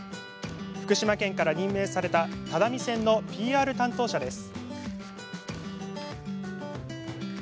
福島県から任命された只見線のＰＲ担当者です。